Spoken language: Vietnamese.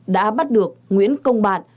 đã bắt được nguyễn công bạn